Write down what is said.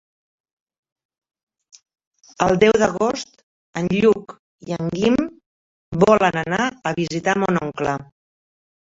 El deu d'agost en Lluc i en Guim volen anar a visitar mon oncle.